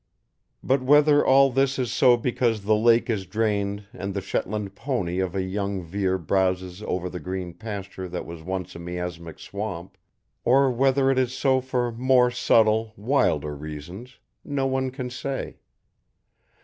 But whether all this is so because the lake is drained and the Shetland pony of a young Vere browses over the green pasture that was once a miasmic swamp; or whether it is so for more subtle, wilder reasons, no one can say.